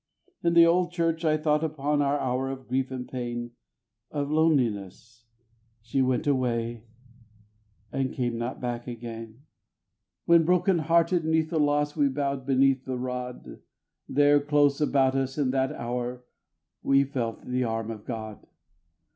In the old church I thought upon our hour of grief and pain, Of loneliness she went away and came not back again When broken hearted 'neath the loss we bowed beneath the rod, There, close about us in that hour, we felt the arm of God.